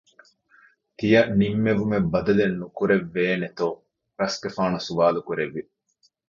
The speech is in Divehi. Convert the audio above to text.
ތިޔަ ނިންމެވުމެއް ބަދަލެއް ނުކުރެއްވޭނެތޯ؟ ރަސްގެފާނު ސުވާލުކުރެއްވި